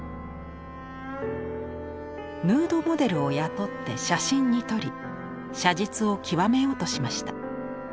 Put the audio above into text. ヌードモデルを雇って写真に撮り写実を極めようとしました。